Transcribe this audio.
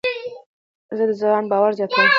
زه د ځان باور زیاتوم.